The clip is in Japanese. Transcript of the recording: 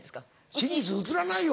真実映らないよ。